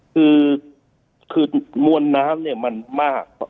คือมวลน้ำเนี่ยมันมาก